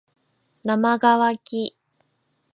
なまがわき